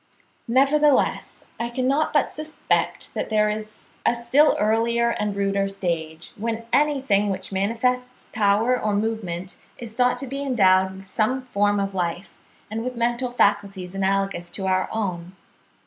Nevertheless I cannot but suspect that there is a still earlier and ruder stage, when anything which manifests power or movement is thought to be endowed with some form of life, and with mental faculties analogous to our own.)